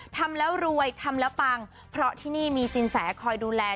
ทำแล้วรวยทำแล้วปังเพราะที่นี่มีสินแสคอยดูแล